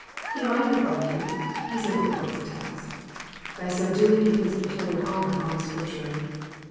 He might have argued : He sim ply quotes a text. By so doing He puts peculiar honour on Scripture.